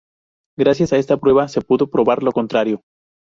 Gracias a esta prueba se pudo probar lo contrario.